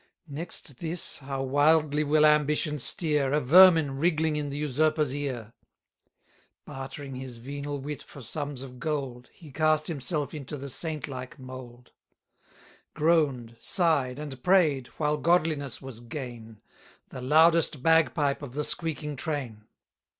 Next this (how wildly will ambition steer!) 30 A vermin wriggling in the usurper's ear. Bartering his venal wit for sums of gold, He cast himself into the saint like mould; Groan'd, sigh'd, and pray'd, while godliness was gain The loudest bagpipe of the squeaking train.